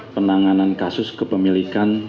penanganan kasus kepemilikan